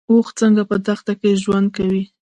اوښ څنګه په دښته کې ژوند کوي؟